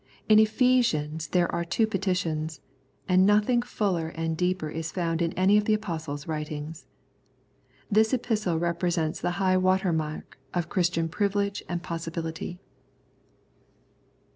In Ephesians there are two petitions, and nothing fuller and deeper is found in any of the Apostle's writings. This Epistle represents the high water marlj of Christian privilege and possibility.